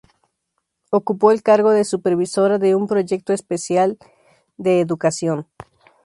Ocupó el cargo de supervisora de un proyecto especial de educación.